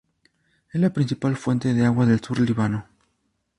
Es la principal fuente de agua del sur del Líbano.